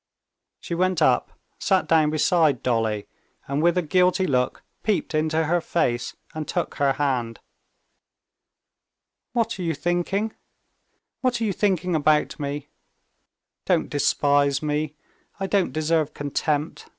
She went up, sat down beside Dolly, and with a guilty look, peeped into her face and took her hand. "What are you thinking? What are you thinking about me? Don't despise me. I don't deserve contempt.